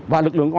và lực lượng